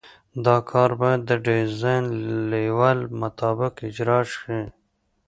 دا کار باید د ډیزاین لیول مطابق اجرا شي